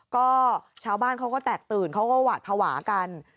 ก็ชาวบ้านเขาก็แตกตื่นเขาก็หวาดภาวะกัน